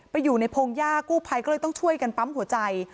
อยู่ในพงหญ้ากู้ภัยก็เลยต้องช่วยกันปั๊มหัวใจ